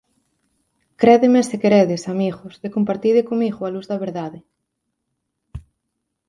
Crédeme se queredes, amigos, e compartide comigo a luz da verdade.